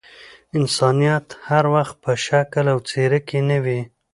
انسانيت هر وخت په شکل او څهره کي نه وي.